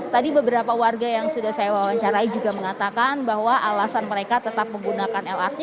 tadi beberapa warga yang sudah saya wawancarai juga mengatakan bahwa alasan mereka tetap menggunakan lrt